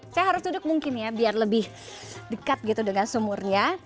saya harus duduk mungkin ya biar lebih dekat gitu dengan sumurnya